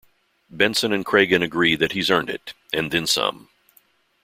Benson and Cragen agree that he's earned it "and then some".